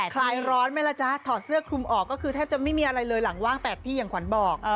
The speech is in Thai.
คลายร้อนไหมล่ะจ๊ะถอดเสื้อคลุมออกก็คือแทบจะไม่มีอะไรเลยหลังว่างแตกที่อย่างขวัญบอก